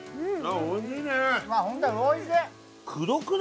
おいしい！